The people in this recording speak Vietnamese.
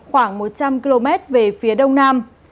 khoảng một trăm linh km về phía đông nam